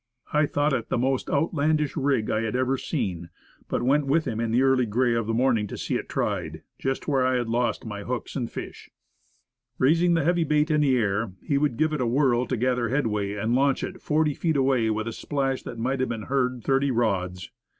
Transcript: I thought it the most outlandish rig I had ever seen, but went with him in the early gray of the morning to see it tried, just where I had lost my hooks and fish. Raising the heavy bait in the air, he would give it a whirl to gather headway, and launch it forty feet away with a splash that might have been heard thirty rods.